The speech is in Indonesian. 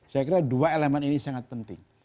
saya kira dua elemen ini sangat penting